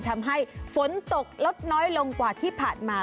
ทำให้ฝนตกลดน้อยลงกว่าที่ผ่านมา